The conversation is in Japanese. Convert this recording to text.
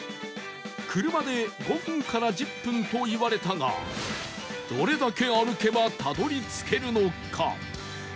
車で５分から１０分と言われたがどれだけ歩けばたどり着けるのか？